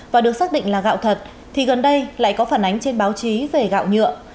và được xác định là gạo thật thì gần đây lại có phản ánh trên báo chí về gạo nhựa